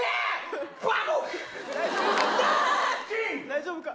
大丈夫か？